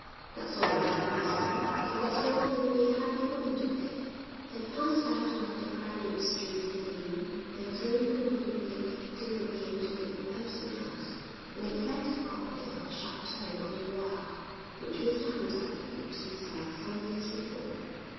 "That's all right, my son. I guess your mother will be a happy woman to day." They passed out of the crowded streets in the Loop and drove along the lake till they came to the imposing house, an exact copy of a château on the Loire, which Mr Hunter had built himself some years before.